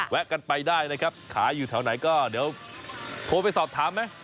แวะกันไปได้นะครับขายอยู่แถวไหนก็เดี๋ยวโทรไปสอบถามไหม